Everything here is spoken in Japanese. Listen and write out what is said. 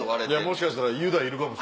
もしかしたらユダいるかも。